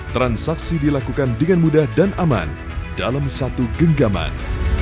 transaksi dilakukan dengan mudah dan aman dalam satu genggaman